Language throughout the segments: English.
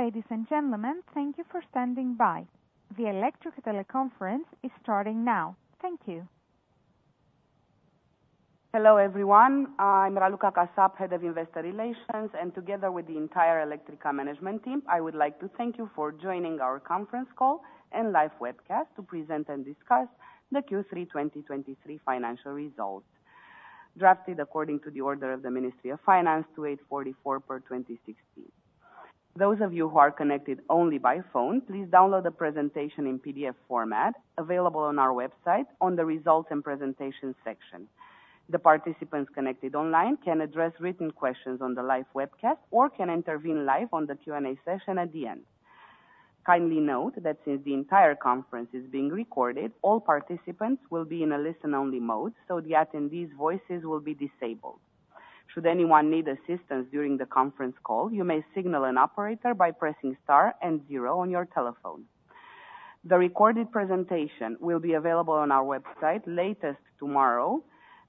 Ladies and gentlemen, thank you for standing by. The Electrica teleconference is starting now. Thank you. Hello, everyone. I'm Raluca Casap, Head of Investor Relations, and together with the entire Electrica management team, I would like to thank you for joining our conference call and live webcast to present and discuss the Q3 2023 financial results, drafted according to the order of the Ministry of Finance, 2844/2016. Those of you who are connected only by phone, please download the presentation in PDF format, available on our website on the Results and Presentation section. The participants connected online can address written questions on the live webcast or can intervene live on the Q&A session at the end. Kindly note that since the entire conference is being recorded, all participants will be in a listen-only mode, so the attendees' voices will be disabled. Should anyone need assistance during the conference call, you may signal an operator by pressing star and zero on your telephone. The recorded presentation will be available on our website latest tomorrow,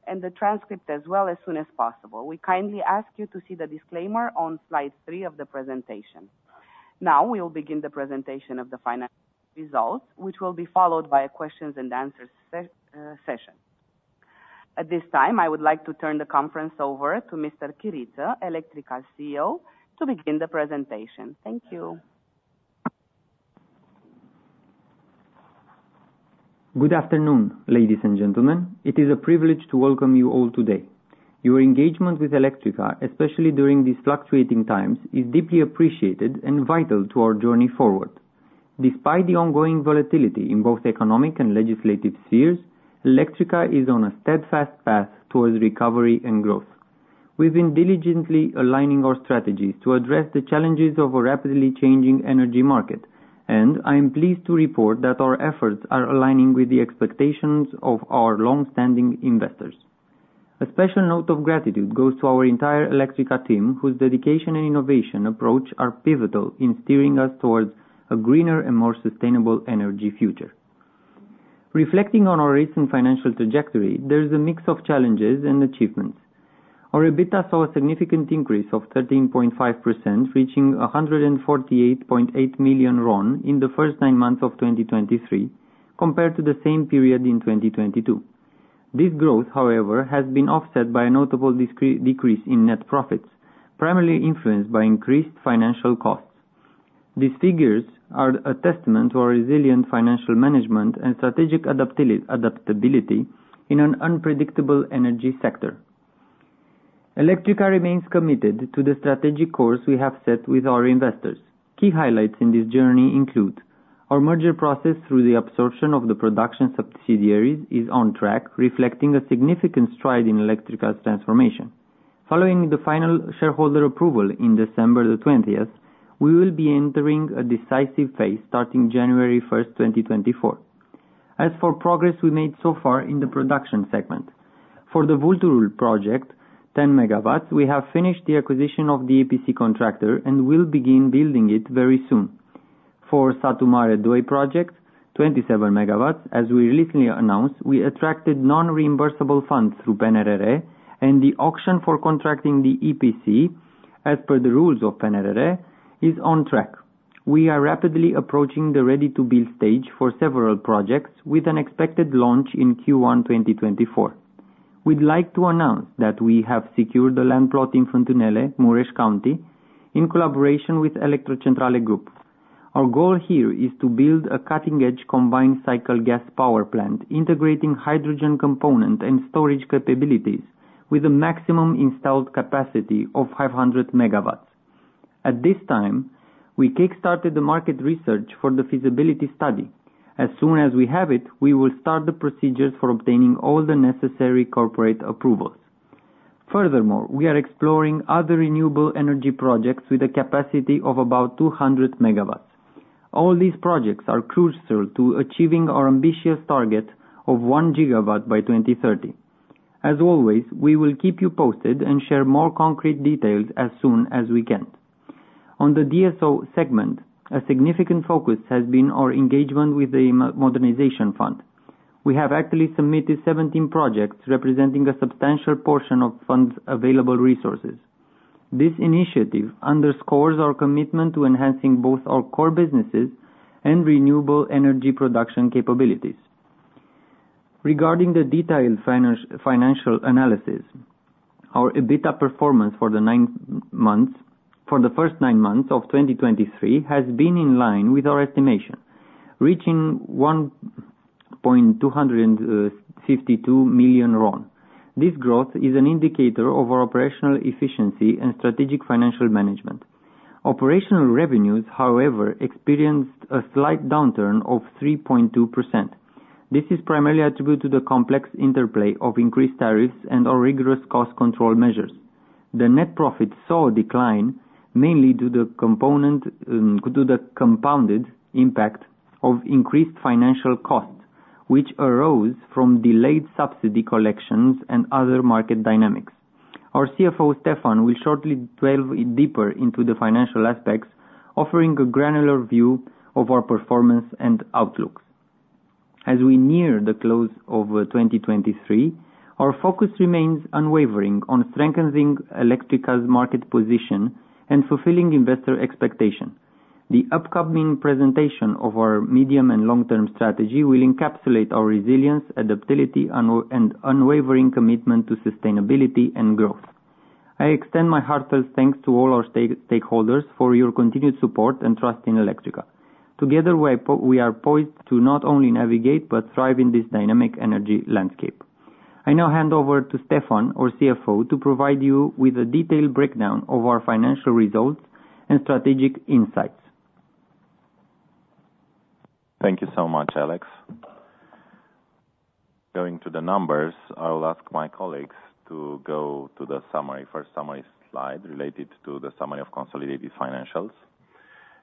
and the transcript as well, as soon as possible. We kindly ask you to see the disclaimer on slide three of the presentation. Now, we will begin the presentation of the financial results, which will be followed by a questions and answers session. At this time, I would like to turn the conference over to Mr. Chiriță, Electrica CEO, to begin the presentation. Thank you. Good afternoon, ladies and gentlemen. It is a privilege to welcome you all today. Your engagement with Electrica, especially during these fluctuating times, is deeply appreciated and vital to our journey forward. Despite the ongoing volatility in both economic and legislative spheres, Electrica is on a steadfast path towards recovery and growth. We've been diligently aligning our strategies to address the challenges of a rapidly changing energy market, and I am pleased to report that our efforts are aligning with the expectations of our long-standing investors. A special note of gratitude goes to our entire Electrica team, whose dedication and innovation approach are pivotal in steering us towards a greener and more sustainable energy future. Reflecting on our recent financial trajectory, there is a mix of challenges and achievements. Our EBITDA saw a significant increase of 13.5%, reaching RON 148.8 million in the first nine months of 2023, compared to the same period in 2022. This growth, however, has been offset by a notable decrease in net profits, primarily influenced by increased financial costs. These figures are a testament to our resilient financial management and strategic adaptability in an unpredictable energy sector. Electrica remains committed to the strategic course we have set with our investors. Key highlights in this journey include: Our merger process through the absorption of the production subsidiaries is on track, reflecting a significant stride in Electrica's transformation. Following the final shareholder approval in December 20th, we will be entering a decisive phase starting January 1st, 2024. As for progress we made so far in the production segment, for the Vulturul project, 10 MW, we have finished the acquisition of the EPC contractor and will begin building it very soon. For Satu Mare project, 27 MW, as we recently announced, we attracted non-reimbursable funds through PNRR, and the auction for contracting the EPC, as per the rules of PNRR, is on track. We are rapidly approaching the ready-to-build stage for several projects, with an expected launch in Q1 2024. We'd like to announce that we have secured the land plot in Fântânele, Mureș County, in collaboration with Electrocentrale Grup. Our goal here is to build a cutting-edge combined-cycle gas power plant, integrating hydrogen component and storage capabilities with a maximum installed capacity of 500 MW. At this time, we kickstarted the market research for the feasibility study. As soon as we have it, we will start the procedures for obtaining all the necessary corporate approvals. Furthermore, we are exploring other renewable energy projects with a capacity of about 200 MW. All these projects are crucial to achieving our ambitious target of 1 GW by 2030. As always, we will keep you posted and share more concrete details as soon as we can. On the DSO segment, a significant focus has been our engagement with the Modernization Fund. We have actively submitted 17 projects, representing a substantial portion of funds available resources. This initiative underscores our commitment to enhancing both our core businesses and renewable energy production capabilities. Regarding the detailed financial analysis, our EBITDA performance for the nine months... For the first nine months of 2023, has been in line with our estimation, reaching RON 152 million. This growth is an indicator of our operational efficiency and strategic financial management. Operational revenues, however, experienced a slight downturn of 3.2%. This is primarily attributed to the complex interplay of increased tariffs and our rigorous cost control measures. The net profit saw a decline, mainly due to the component, due to the compounded impact of increased financial costs, which arose from delayed subsidy collections and other market dynamics. Our CFO, Ștefan, will shortly delve deeper into the financial aspects, offering a granular view of our performance and outlooks. As we near the close of 2023, our focus remains unwavering on strengthening Electrica's market position and fulfilling investor expectation. The upcoming presentation of our medium and long-term strategy will encapsulate our resilience, adaptability, and unwavering commitment to sustainability and growth. I extend my heartfelt thanks to all our stakeholders for your continued support and trust in Electrica. Together, we are we are poised to not only navigate, but thrive in this dynamic energy landscape. I now hand over to Ștefan, our CFO, to provide you with a detailed breakdown of our financial results and strategic insights. Thank you so much, Alex. Going to the numbers, I will ask my colleagues to go to the summary, first summary slide related to the summary of consolidated financials.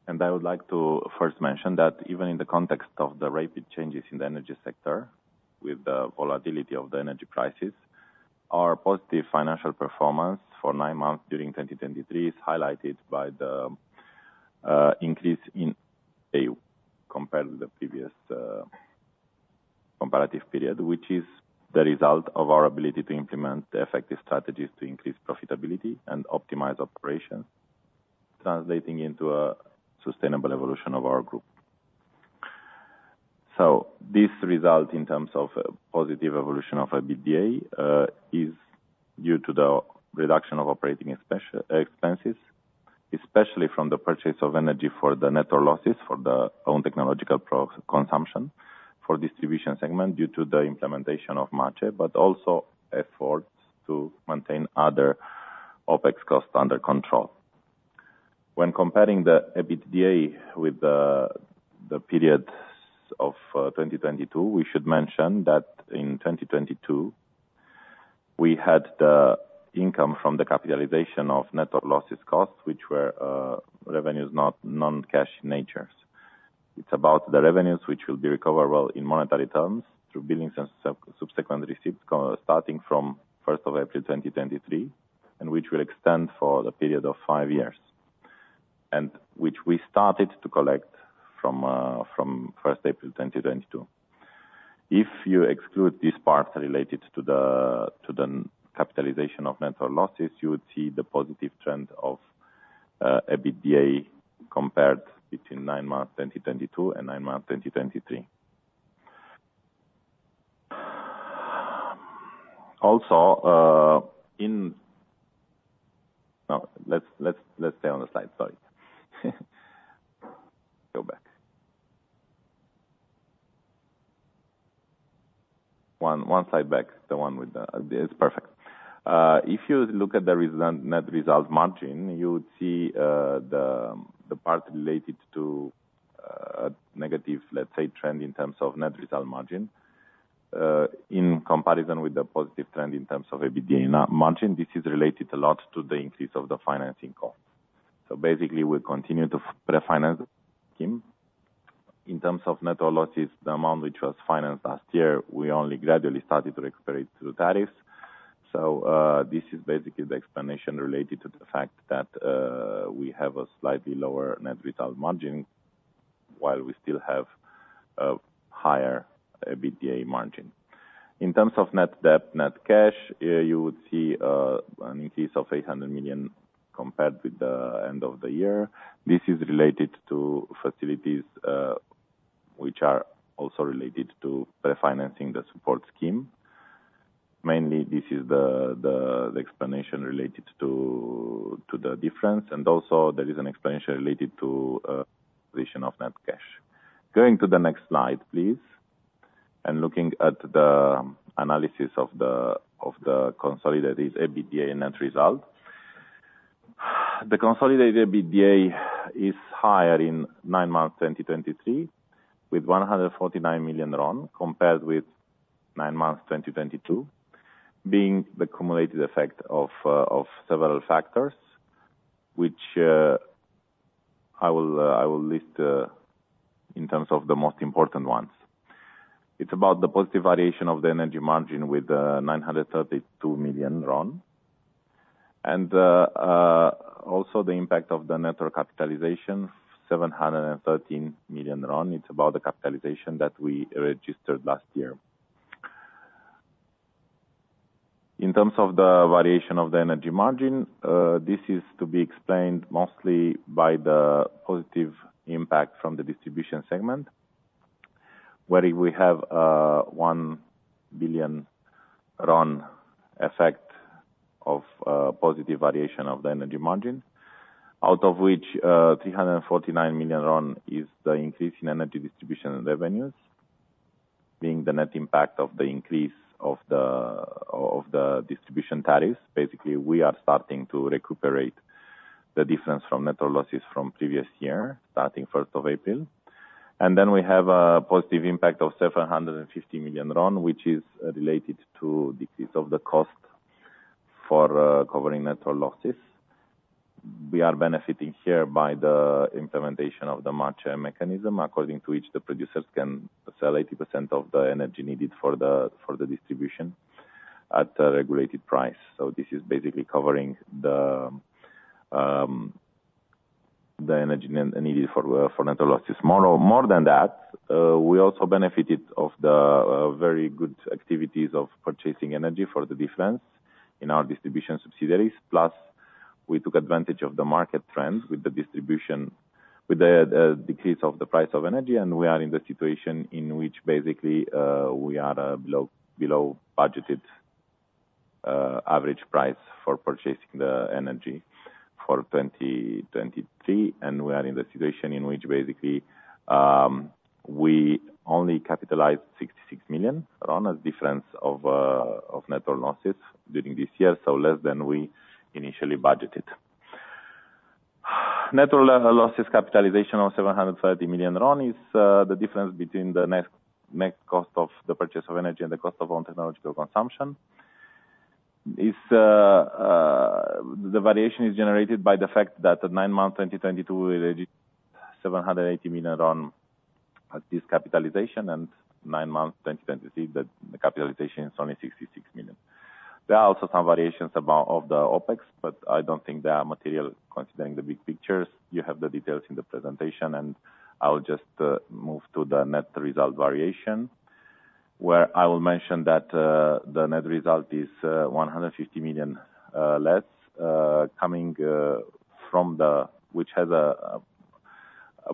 And I would like to first mention that even in the context of the rapid changes in the energy sector, with the volatility of the energy prices, our positive financial performance for nine months during 2023 is highlighted by the increase in AU compared to the previous comparative period. Which is the result of our ability to implement the effective strategies to increase profitability and optimize operations, translating into a sustainable evolution of our group. So this result, in terms of positive evolution of EBITDA, is due to the reduction of operating expenses, especially from the purchase of energy for the net losses for the own technological consumption, for distribution segment, due to the implementation of MACEE, but also efforts to maintain other OpEx costs under control. When comparing the EBITDA with the periods of 2022, we should mention that in 2022, we had the income from the capitalization of net losses costs, which were revenues of non-cash nature. It's about the revenues, which will be recoverable in monetary terms through billings and subsequent receipts, starting from first of April 2023, and which will extend for the period of five years, and which we started to collect from first April 2022. If you exclude this part related to the capitalization of net losses, you would see the positive trend of EBITDA compared between nine months 2022 and nine months 2023. Also, No, let's stay on the slide. Sorry. Go back. One slide back, the one with the, it's perfect. If you look at the result, net result margin, you would see the part related to negative, let's say, trend in terms of net result margin in comparison with the positive trend in terms of EBITDA margin. This is related a lot to the increase of the financing cost. So basically, we continue to pre-finance them. In terms of net losses, the amount which was financed last year, we only gradually started to recuperate through tariffs. This is basically the explanation related to the fact that we have a slightly lower net result margin, while we still have a higher EBITDA margin. In terms of net debt, net cash, you would see an increase of RON 800 million compared with the end of the year. This is related to facilities, which are also related to refinancing the support scheme. Mainly, this is the explanation related to the difference, and also there is an explanation related to position of net cash. Going to the next slide, please. Looking at the analysis of the consolidated EBITDA net result. The consolidated EBITDA is higher in nine months 2023, with RON 149 million, compared with nine months 2022, being the cumulative effect of several factors, which I will I will list in terms of the most important ones. It's about the positive variation of the energy margin with RON 932 million, and also the impact of the net capitalization, RON 713 million. It's about the capitalization that we registered last year. In terms of the variation of the energy margin, this is to be explained mostly by the positive impact from the distribution segment, where we have a RON 1 billion effect of positive variation of the energy margin, out of which RON 349 million is the increase in energy distribution and revenues, being the net impact of the increase of the distribution tariffs. Basically, we are starting to recuperate the difference from net losses from previous year, starting first of April. And then we have a positive impact of RON 750 million, which is related to decrease of the cost for covering net losses. We are benefiting here by the implementation of the match mechanism, according to which the producers can sell 80% of the energy needed for the distribution at a regulated price. So this is basically covering the energy needed for net losses. More than that, we also benefited from the very good activities of purchasing energy for the DSOs in our distribution subsidiaries. Plus, we took advantage of the market trends with the decrease of the price of energy, and we are in the situation in which basically we are below budgeted average price for purchasing the energy for 2023. We are in the situation in which, basically, we only capitalized RON 66 million as difference of net losses during this year, so less than we initially budgeted. Net losses capitalization of RON 730 million is the difference between the net cost of the purchase of energy and the cost of own technological consumption. The variation is generated by the fact that at nine months 2022, we registered RON 780 million as this capitalization, and nine months 2023, the capitalization is only RON 66 million. There are also some variations about the OpEx, but I don't think they are material considering the big pictures. You have the details in the presentation, and I will just move to the net result variation. Where I will mention that, the net result is RON 150 million less, coming from the... Which has a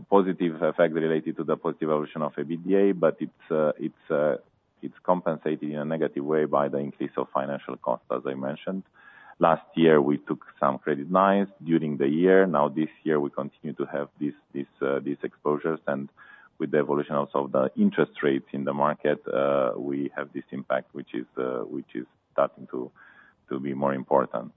positive effect related to the positive evolution of EBITDA, but it's compensated in a negative way by the increase of financial cost, as I mentioned. Last year, we took some credit lines during the year. Now, this year, we continue to have these exposures, and with the evolution also of the interest rates in the market, we have this impact, which is starting to be more important.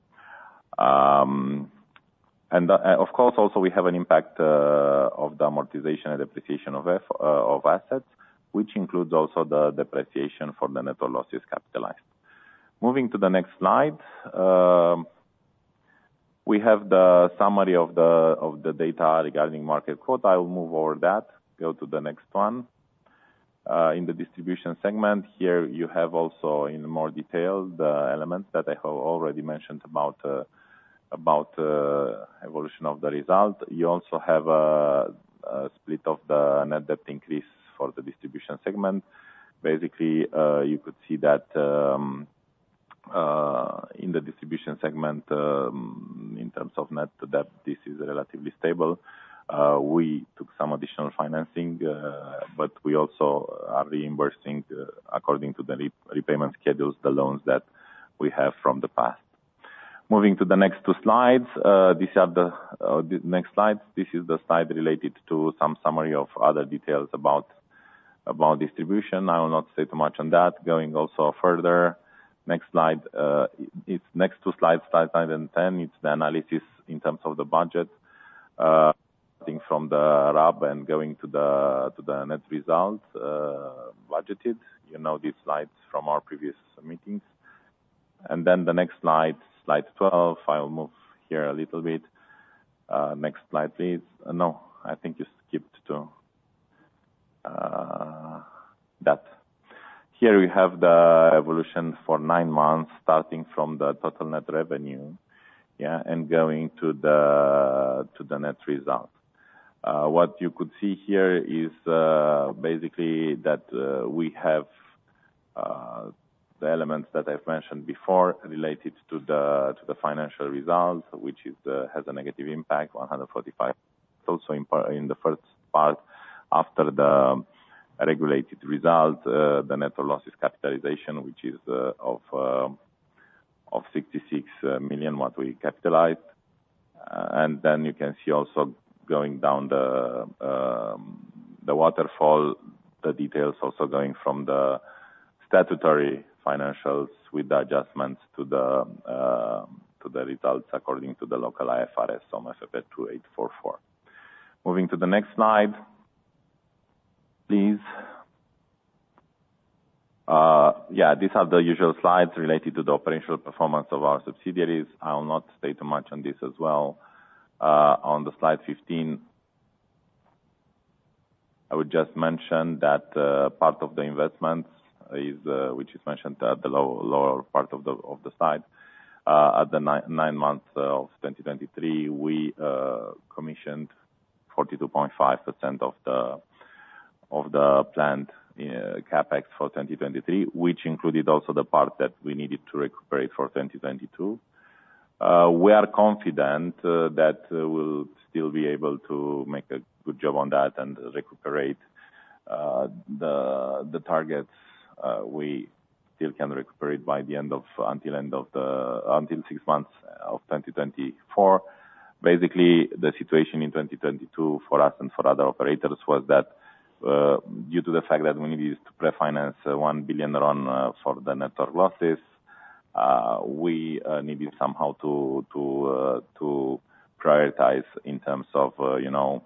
And, of course, also we have an impact of the amortization and depreciation of assets, which includes also the depreciation for the net losses capitalized. Moving to the next slide. We have the summary of the data regarding market quote. I will move over that. Go to the next one. In the distribution segment, here you have also, in more detail, the elements that I have already mentioned about evolution of the result. You also have a split of the net debt increase for the distribution segment. Basically, you could see that, in the distribution segment, in terms of net debt, this is relatively stable. We took some additional financing, but we also are reimbursing, according to the repayment schedules, the loans that we have from the past. Moving to the next two slides. These are the next slides. This is the slide related to some summary of other details about distribution. I will not say too much on that. Going also further, next slide, it's next two slides, slide nine and 10, it's the analysis in terms of the budget, starting from the RAB and going to the net results, budgeted. You know, these slides from our previous meetings. And then the next slide, slide 12, I will move here a little bit. Next slide, please. No, I think you skipped to that. Here we have the evolution for nine months, starting from the total net revenue, yeah, and going to the net result. What you could see here is, basically, that we have the elements that I've mentioned before related to the financial results, which has a negative impact, RON 145. Also, in part, in the first part, after the regulated result, the net loss is capitalization, which is, of, of RON 66 million, what we capitalize. And then you can see also going down the, the waterfall, the details also going from the statutory financials with the adjustments to the, to the results according to the local IFRS, so OMFP 2844. Moving to the next slide, please. Yeah, these are the usual slides related to the operational performance of our subsidiaries. I will not say too much on this as well. On the slide 15, I would just mention that, part of the investments is, which is mentioned at the lower part of the, of the slide. At the nine months of 2023, we commissioned 42.5% of the planned CapEx for 2023, which included also the part that we needed to recuperate for 2022. We are confident that we'll still be able to make a good job on that and recuperate the targets. We still can recuperate until the end of six months of 2024. Basically, the situation in 2022 for us and for other operators was that, due to the fact that we needed to pre-finance RON 1 billion for the net losses, we needed somehow to prioritize in terms of, you know,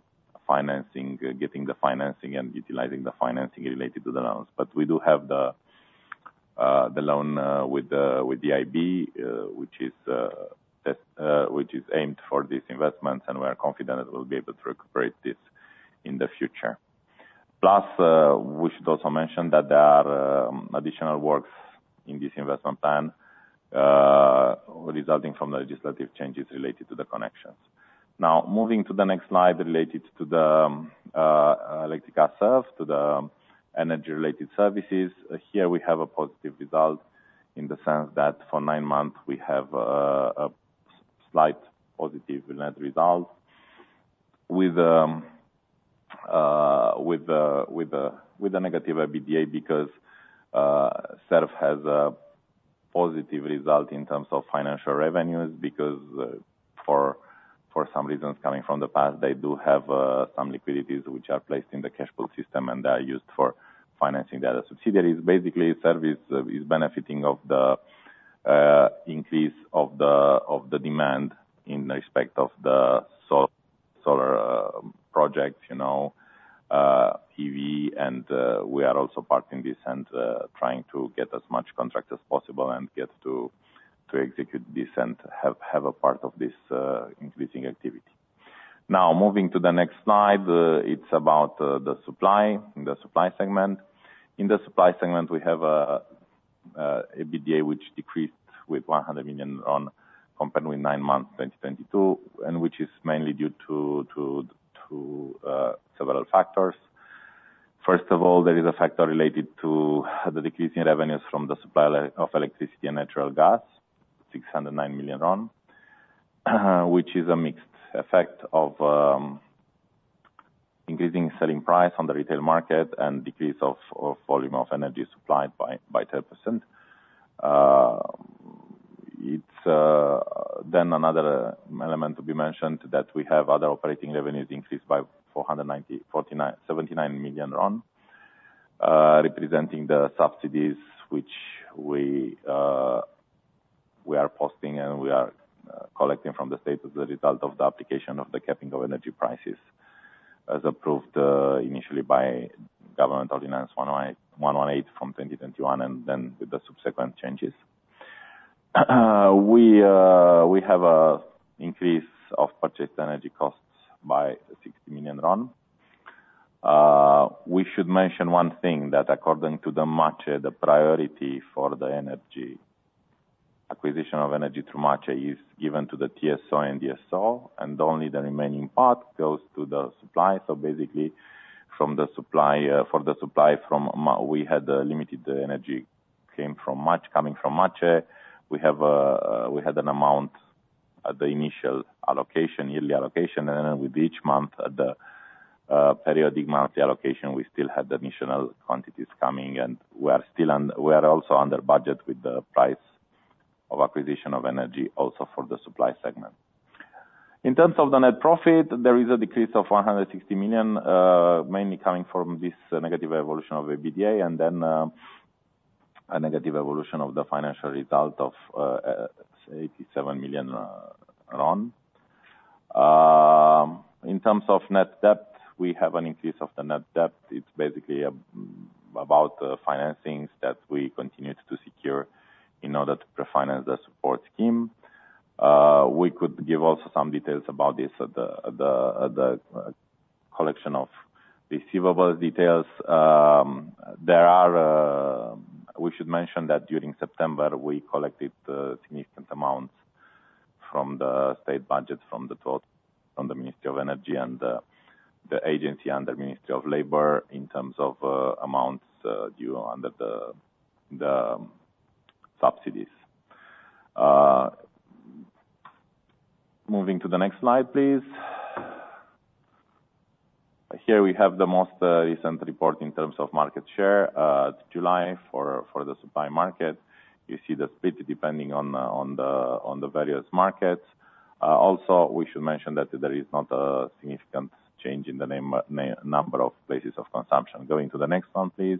financing, getting the financing and utilizing the financing related to the loans. But we do have the loan with the EIB, which is aimed for these investments, and we are confident that we'll be able to recuperate this in the future. Plus, we should also mention that there are additional works in this investment plan, resulting from the legislative changes related to the connections. Now, moving to the next slide related to the electric assets, to the energy related services. Here we have a positive result, in the sense that for nine months we have a slight positive net result with the negative EBITDA, because SERV has a positive result in terms of financial revenues, because for some reasons coming from the past, they do have some liquidities which are placed in the cash flow system and are used for financing the other subsidiaries. Basically, SERV is benefiting of the increase of the demand in respect of the solar projects, you know, EV and we are also part in this and trying to get as much contract as possible and get to execute this and have a part of this increasing activity. Now, moving to the next slide. It's about the supply, in the supply segment. In the supply segment, we have EBITDA, which decreased with RON 100 million compared with nine months, 2022, and which is mainly due to several factors. First of all, there is a factor related to the decrease in revenues from the supply of electricity and natural gas, RON 609 million, which is a mixed effect of increasing selling price on the retail market and decrease of volume of energy supplied by 10%. It's... Then another element to be mentioned, that we have other operating revenues increased by RON 449.79 million, representing the subsidies which we, we are posting, and we are, collecting from the state as a result of the application of the capping of energy prices, as approved, initially by Government Ordinance 118 from 2021, and then with the subsequent changes. We, we have a increase of purchased energy costs by RON 60 million. We should mention one thing, that according to the market, the priority for the energy- acquisition of energy through market is given to the TSO and DSO, and only the remaining part goes to the supply. So basically from the supply, for the supply from mar- we had a limited energy came from March, coming from March. We have, we had an amount at the initial allocation, yearly allocation, and then with each month at the, periodic monthly allocation, we still had the initial quantities coming, and we are still under—we are also under budget with the price of acquisition of energy, also for the supply segment. In terms of the net profit, there is a decrease of RON 160 million, mainly coming from this negative evolution of EBITDA, and then, a negative evolution of the financial result of, RON 87 million. In terms of net debt, we have an increase of the net debt. It's basically, about the financings that we continued to secure in order to pre-finance the support scheme. We could give also some details about this at the, the, at the collection of receivable details. There are,... We should mention that during September, we collected significant amounts from the state budget, from the total, from the Ministry of Energy and the agency and the Ministry of Labor in terms of amounts due under the subsidies. Moving to the next slide, please. Here we have the most recent report in terms of market share, July for the supply market. You see the split, depending on the various markets. Also, we should mention that there is not a significant change in the number of places of consumption. Going to the next one, please.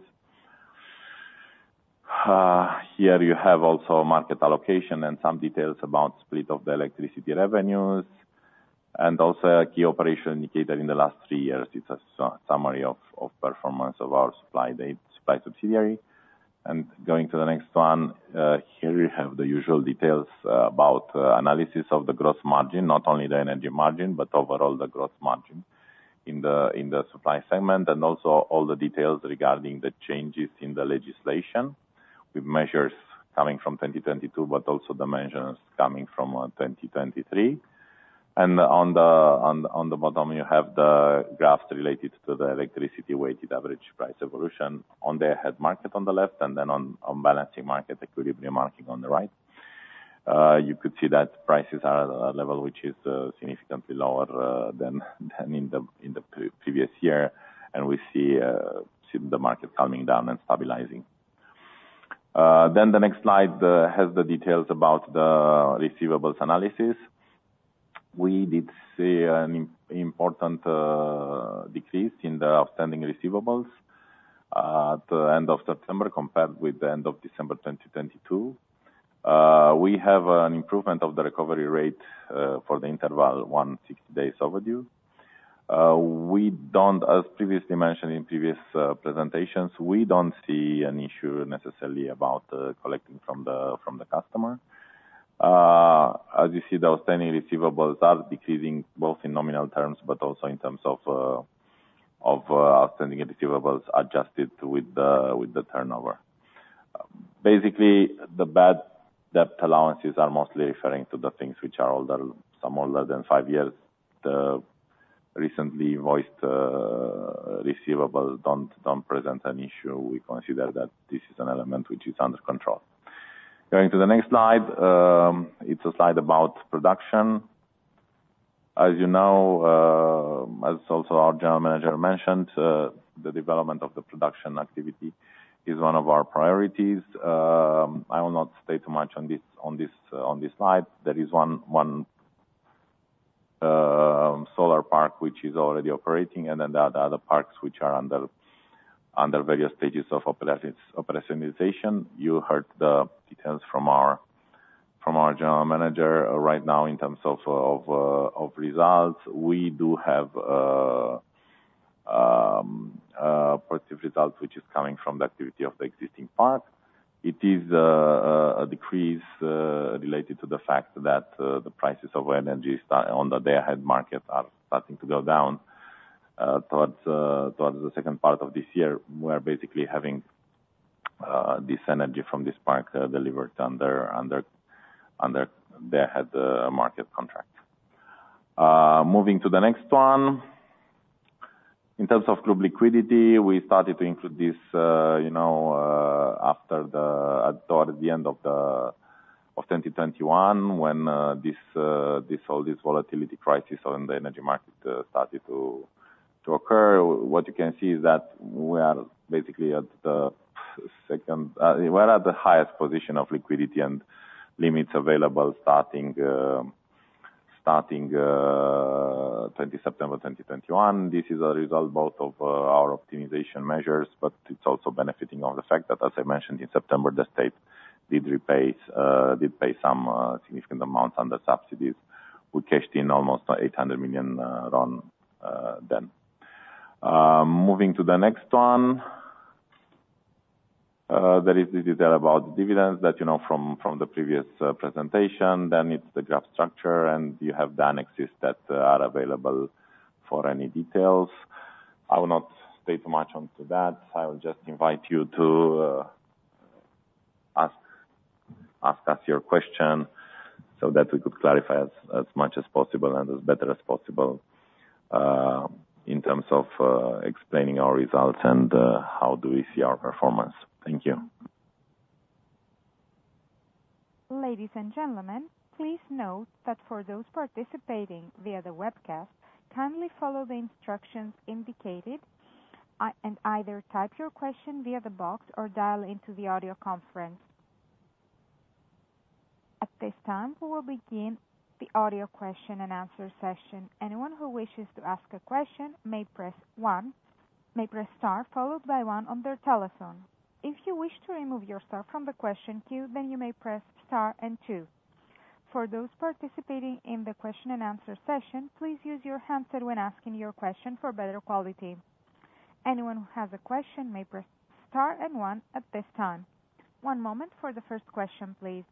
Here you have also market allocation and some details about split of the electricity revenues, and also a key operation indicator in the last three years. It's a summary of performance of our supply subsidiary. Going to the next one, here you have the usual details about analysis of the gross margin, not only the energy margin, but overall the gross margin in the supply segment, and also all the details regarding the changes in the legislation, with measures coming from 2022, but also the measures coming from 2023. On the bottom, you have the graphs related to the electricity weighted average price evolution on the Day-Ahead market on the left, and then on the balancing market, equilibrium market on the right. You could see that prices are at a level which is significantly lower than in the previous year, and we see the market calming down and stabilizing. Then the next slide has the details about the receivables analysis. We did see an important decrease in the outstanding receivables at the end of September, compared with the end of December 2022. We have an improvement of the recovery rate for the interval 160 days overdue. As previously mentioned in previous presentations, we don't see an issue necessarily about collecting from the, from the customer. As you see, the outstanding receivables are decreasing both in nominal terms, but also in terms of outstanding receivables, adjusted with the turnover. Basically, the bad debt allowances are mostly referring to the things which are older, some older than five years. The recently invoiced receivables don't present an issue. We consider that this is an element which is under control. Going to the next slide. It's a slide about production. As you know, as also our general manager mentioned, the development of the production activity is one of our priorities. I will not state too much on this slide. There is one solar park which is already operating, and then there are the other parks which are under various stages of operationalization. You heard the details from our general manager. Right now, in terms of results, we do have a positive result, which is coming from the activity of the existing park. It is a decrease related to the fact that the prices of energy on the Day-Ahead Market are starting to go down towards the second part of this year. We're basically having this energy from this park delivered under under under they had market contract. Moving to the next one. In terms of group liquidity, we started to include this, you know, after the toward the end of the of 2021, when this this all this volatility crisis on the energy market started to to occur. What you can see is that we are basically at the second--we're at the highest position of liquidity and limits available starting starting 20 September 2021. This is a result both of our optimization measures, but it's also benefiting of the fact that, as I mentioned in September, the state did repay did pay some significant amounts on the subsidies. We cashed in almost RON 800 million then. Moving to the next one. There is this detail about the dividends that you know from the previous presentation. Then it's the graph structure, and you have the annexes that are available for any details. I will not state much onto that. I will just invite you to ask us your question so that we could clarify as much as possible and as better as possible, in terms of explaining our results and how do we see our performance. Thank you. Ladies and gentlemen, please note that for those participating via the webcast, kindly follow the instructions indicated, and either type your question via the box or dial into the audio conference. At this time, we will begin the audio question-and-answer session. Anyone who wishes to ask a question may press star, followed by one on their telephone. If you wish to remove your star from the question queue, then you may press star and two. For those participating in the question-and-answer session, please use your handset when asking your question for better quality. Anyone who has a question may press star and one at this time. One moment for the first question, please.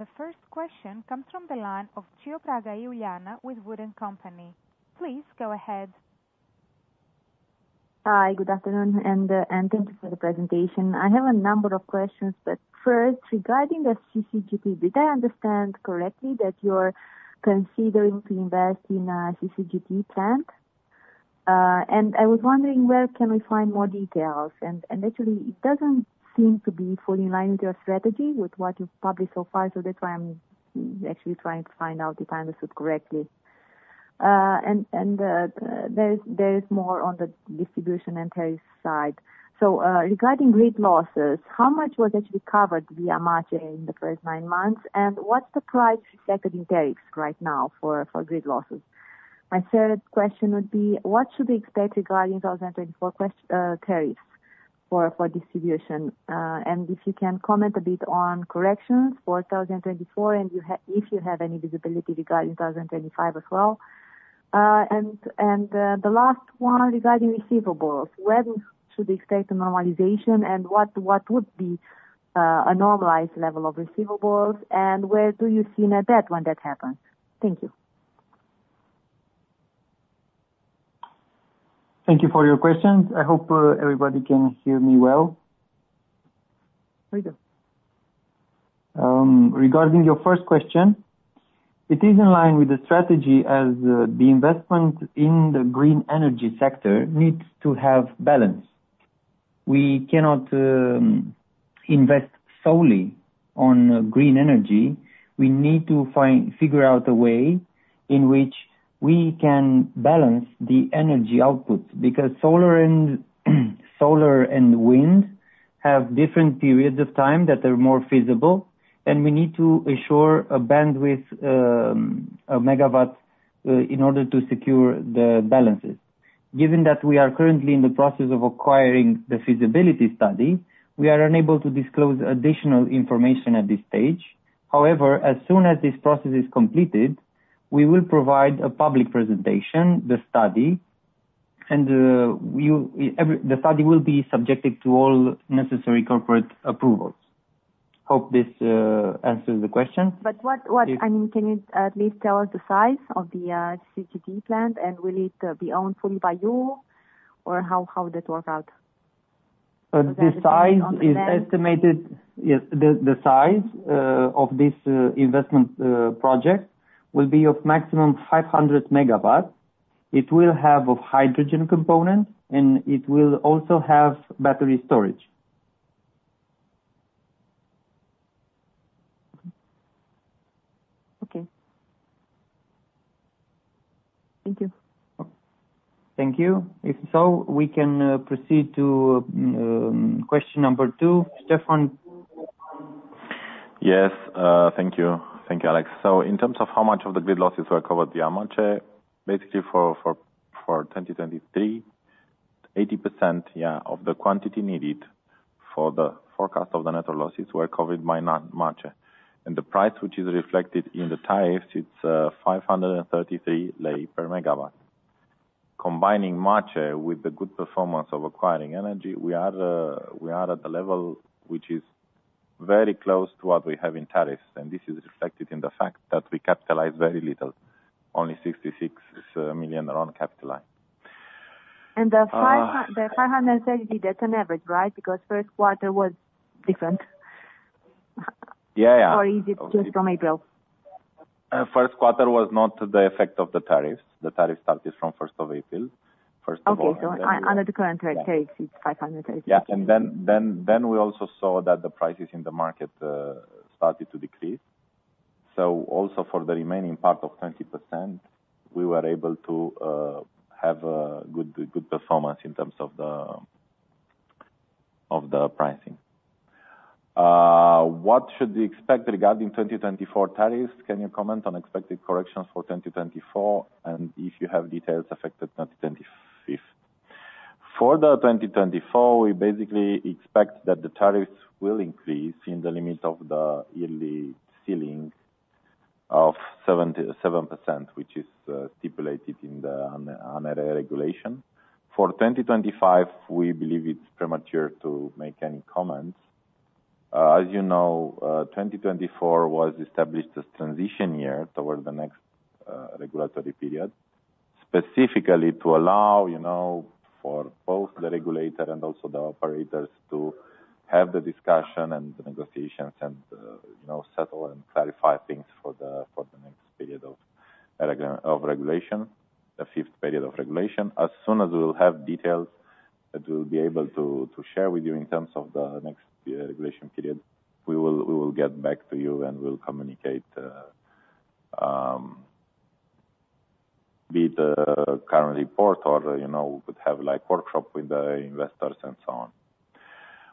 The first question comes from the line of Iuliana Ciopraga with WOOD & Company. Please go ahead. Hi, good afternoon, and thank you for the presentation. I have a number of questions, but first, regarding the CCGT, did I understand correctly that you're considering to invest in a CCGT plant? And I was wondering, where can we find more details? And actually, it doesn't seem to be fully in line with your strategy, with what you've published so far. So that's why I'm actually trying to find out if I understood correctly. And there is more on the distribution and tariff side. So, regarding grid losses, how much was actually covered via margin in the first nine months? And what's the price reflected in tariffs right now for grid losses? My third question would be, what should we expect regarding 2024 tariffs for distribution? If you can comment a bit on corrections for 2024, and if you have any visibility regarding 2025 as well. The last one, regarding receivables, when should we expect a normalization, and what would be a normalized level of receivables, and where do you see net debt when that happens? Thank you. Thank you for your questions. I hope everybody can hear me well. We do. Regarding your first question, it is in line with the strategy as the investment in the green energy sector needs to have balance. We cannot invest solely on green energy. We need to find, figure out a way in which we can balance the energy outputs, because solar and wind have different periods of time that are more feasible, and we need to ensure a bandwidth, a megawatt, in order to secure the balances.... Given that we are currently in the process of acquiring the feasibility study, we are unable to disclose additional information at this stage. However, as soon as this process is completed, we will provide a public presentation, the study, and the study will be subjected to all necessary corporate approvals. Hope this answers the question. But what, I mean, can you at least tell us the size of the CCGT plant, and will it be owned fully by you, or how would that work out? The size is estimated, yes, the size of this investment project will be of maximum 500 MW. It will have a hydrogen component, and it will also have battery storage. Okay. Thank you. Thank you. If so, we can proceed to question number two. Ștefan? 5Yes, thank you. Thank you, Alex. So in terms of how much of the grid losses were covered. Basically, for 2023, 80%, yeah, of the quantity needed for the forecast of the net losses were covered by MACEE. And the price, which is reflected in the tariffs, it's RON 533 per megawatt. Combining March with the good performance of acquiring energy, we are at a level which is very close to what we have in tariffs, and this is reflected in the fact that we capitalize very little, only RON 66 million capitalized. The RON 530, that's an average, right? Because first quarter was different. Yeah, yeah. Or is it just from April? First quarter was not the effect of the tariffs. The tariff started from first of April. First of all- Okay. So under the current tariff, it's RON 530. Yeah. Then we also saw that the prices in the market started to decrease. So also for the remaining part of 20%, we were able to have a good performance in terms of the pricing. What should we expect regarding 2024 tariffs? Can you comment on expected corrections for 2024, and if you have details affected 2025? For the 2024, we basically expect that the tariffs will increase in the limit of the yearly ceiling of 77%, which is stipulated in the ANRE regulation. For 2025, we believe it's premature to make any comments. As you know, 2024 was established as transition year towards the next regulatory period. Specifically to allow, you know, for both the regulator and also the operators to have the discussion and the negotiations and, you know, settle and clarify things for the next period of regulation, the fifth period of regulation. As soon as we will have details that we'll be able to share with you in terms of the next regulation period, we will get back to you, and we'll communicate be the current report or, you know, we could have, like, workshop with the investors and so on.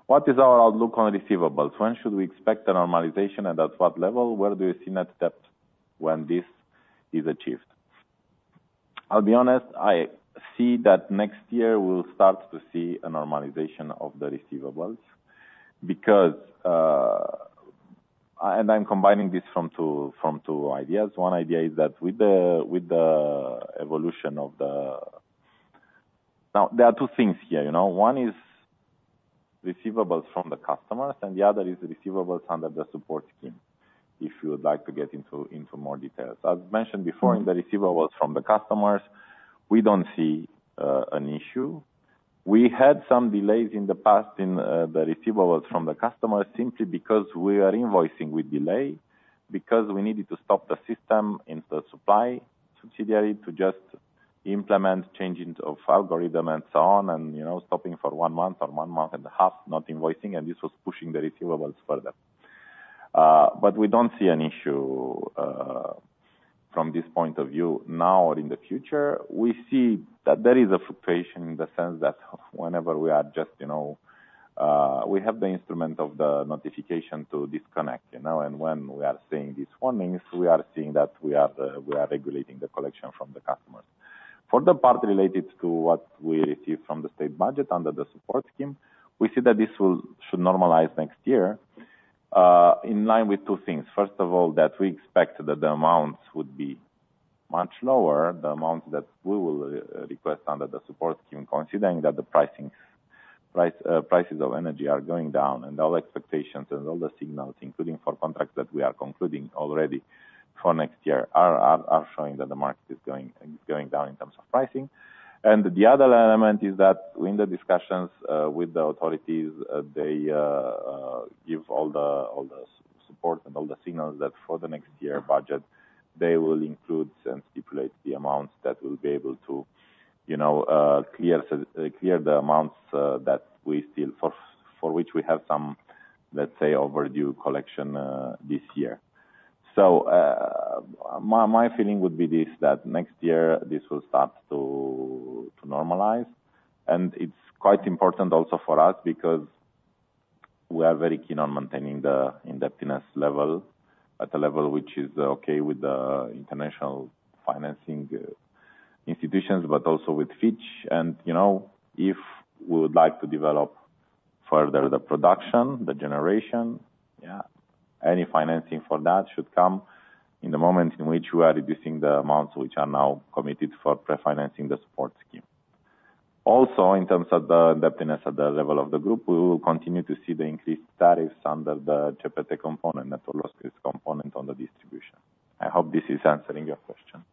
What is our outlook on receivables? When should we expect a normalization, and at what level, where do you see net debt when this is achieved? I'll be honest, I see that next year we'll start to see a normalization of the receivables. Because, and I'm combining this from two, from two ideas. one idea is that with the, with the evolution of the... Now, there are two things here, you know. one is receivables from the customers, and the other is the receivables under the support scheme, if you would like to get into, into more details. As mentioned before, in the receivables from the customers, we don't see an issue. We had some delays in the past in the receivables from the customers simply because we are invoicing with delay, because we needed to stop the system in the supply subsidiary to just implement changes of algorithm and so on, and, you know, stopping for 1 month or 1 month and a half, not invoicing, and this was pushing the receivables further. But we don't see an issue from this point of view, now or in the future. We see that there is a fluctuation in the sense that whenever we are just, you know, we have the instrument of the notification to disconnect, you know, and when we are seeing these warnings, we are seeing that we are, we are regulating the collection from the customers. For the part related to what we receive from the state budget under the support scheme, we see that this will, should normalize next year, in line with two things. First of all, that we expect that the amounts would be much lower, the amounts that we will request under the support scheme, considering that the pricings, price, prices of energy are going down, and all expectations and all the signals, including for contracts that we are concluding already for next year, are showing that the market is going down in terms of pricing. And the other element is that in the discussions with the authorities, they give all the support and all the signals that for the next year budget, they will include and stipulate the amounts that will be able to, you know, clear the amounts that we still, for which we have some, let's say, overdue collection this year. So, my, my feeling would be this, that next year this will start to, to normalize. And it's quite important also for us because we are very keen on maintaining the indebtedness level, at a level which is okay with the international financing institutions, but also with Fitch. And, you know, if we would like to develop further the production, the generation, yeah, any financing for that should come in the moment in which we are reducing the amounts which are now committed for pre-financing the support scheme. Also, in terms of the indebtedness at the level of the group, we will continue to see the increased tariffs under the CPT component, net or loss risk component on the distribution. I hope this is answering your question.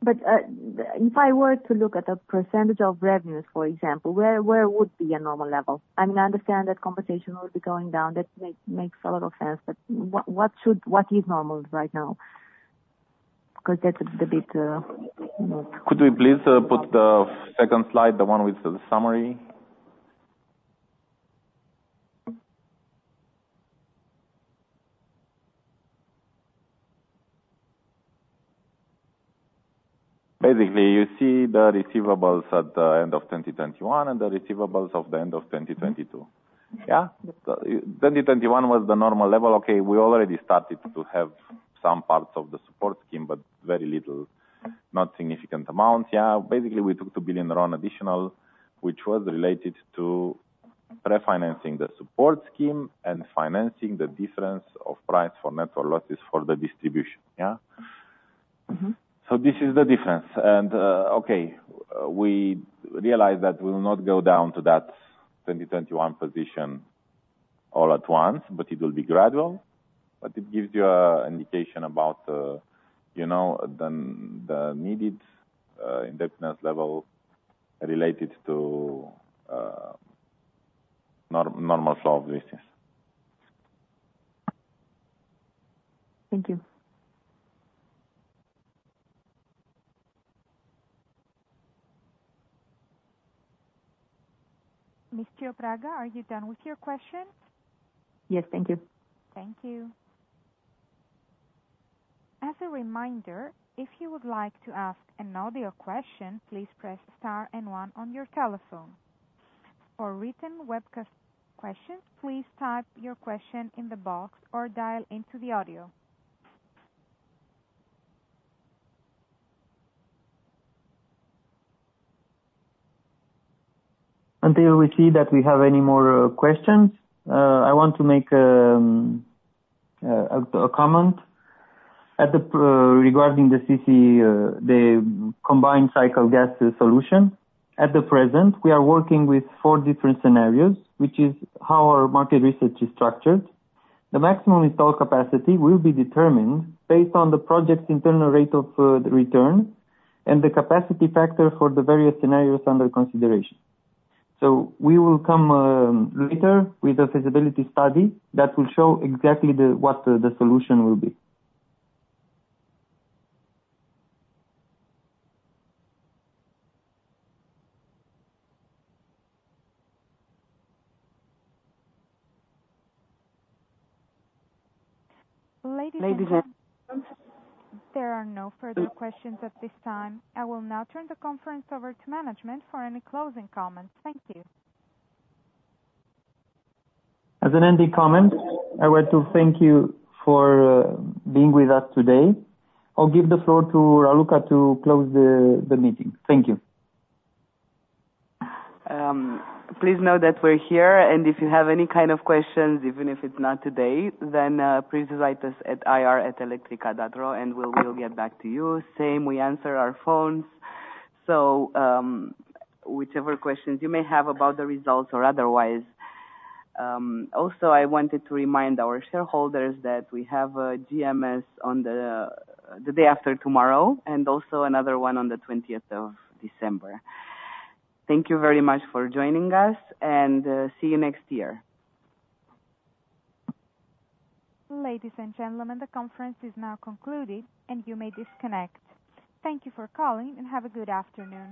But, if I were to look at a percentage of revenues, for example, where would be a normal level? I mean, I understand that compensation will be going down. That makes a lot of sense, but what should—what is normal right now? 'Cause that's a bit, you know- Could we please put the second slide, the one with the summary? Basically, you see the receivables at the end of 2021 and the receivables at the end of 2022. Yeah. Yes. 2021 was the normal level. Okay, we already started to have some parts of the support scheme, but very little, not significant amounts. Yeah, basically, we took RON 2 billion additional, which was related to pre-financing the support scheme and financing the difference of price for net losses for the distribution, yeah? Mm-hmm. So this is the difference. Okay, we realize that we will not go down to that 2021 position all at once, but it will be gradual. It gives you an indication about, you know, the needed indebtedness level related to normal flow of business. Thank you. Miss Ciopraga, are you done with your questions? Yes. Thank you. Thank you. As a reminder, if you would like to ask an audio question, please press star and one on your telephone. For written webcast questions, please type your question in the box or dial into the audio. Until we see that we have any more questions, I want to make a comment. Regarding the CC, the combined cycle gas solution, at the present, we are working with four different scenarios, which is how our market research is structured. The maximum install capacity will be determined based on the project's internal rate of return, and the capacity factor for the various scenarios under consideration. So we will come later with a feasibility study that will show exactly what the solution will be. Ladies and gentlemen, there are no further questions at this time. I will now turn the conference over to management for any closing comments. Thank you. As an ending comment, I want to thank you for being with us today. I'll give the floor to Raluca to close the meeting. Thank you. Please know that we're here, and if you have any kind of questions, even if it's not today, then please write us at ir@electrica.ro, and we will get back to you. Same, we answer our phones, so whichever questions you may have about the results or otherwise. Also, I wanted to remind our shareholders that we have a GMS on the day after tomorrow, and also another one on the twentieth of December. Thank you very much for joining us, and see you next year. Ladies and gentlemen, the conference is now concluded, and you may disconnect. Thank you for calling, and have a good afternoon.